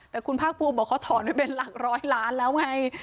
แต่คุณพาทบูรพ์บอกว่าเขาถอนไปเป็นหลัง๑๐๐ล้านบาทแล้วไง